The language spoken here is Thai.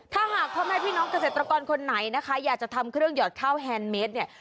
ถ้าหากพ่อแม่พี่น้องเกษตรกรคนไหนนะคะอยากจะทำเครื่องหยอดข้าวแฮนดเมสเนี่ย